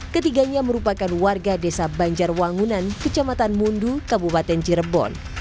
ketiganya merupakan warga desa banjarwangunan kecamatan mundu kabupaten cirebon